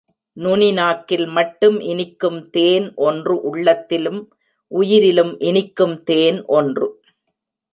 நுனி நாக்கில் மட்டும் இனிக்கும் தேன் ஒன்று உள்ளத்திலும், உயிரிலும் இனிக்கும் தேன் ஒன்று.